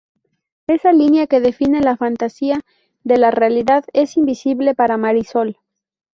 Esa línea que define la fantasía de la realidad es invisible para Marisol.